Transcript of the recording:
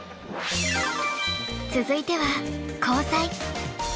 続いては「交際」。